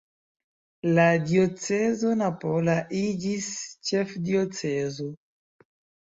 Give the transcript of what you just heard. La diocezo napola iĝis ĉefdiocezo.